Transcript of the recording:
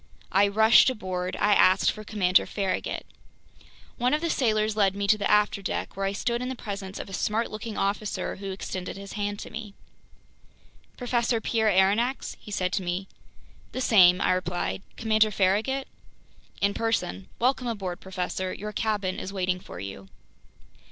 I rushed aboard. I asked for Commander Farragut. One of the sailors led me to the afterdeck, where I stood in the presence of a smart looking officer who extended his hand to me. "Professor Pierre Aronnax?" he said to me. "The same," I replied. "Commander Farragut?" "In person. Welcome aboard, professor. Your cabin is waiting for you."